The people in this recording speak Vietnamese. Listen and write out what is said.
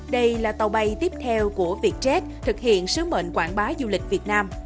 đây là tàu bay tiếp theo của vietjet thực hiện sứ mệnh quảng bá du lịch việt nam